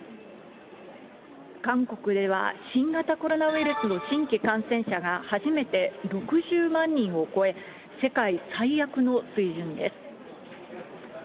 韓国では、新型コロナウイルスの新規感染者が、初めて６０万人を超え、世界最悪の水準です。